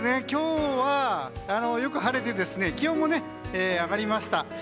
今日は、よく晴れて気温も上がりました。